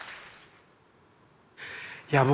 いや僕